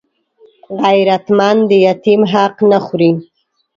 غیرتمند د یتیم حق نه خوړوي